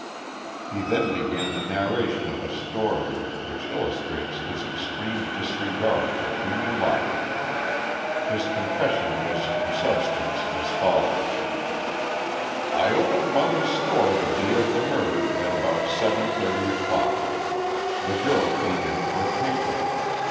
He then began the narration of a story, which illustrated his extreme disregard for human life. His confession was in substance as follow :" I opened mother's store the day of the murder at about 7.30 o'clock. The girl came in for a paper.